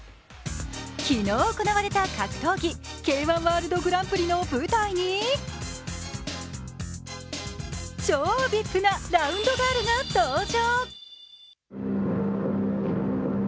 昨日行われた格闘技Ｋ−１ワールドグランプリの舞台に超ＶＩＰなラウンドガールが登場。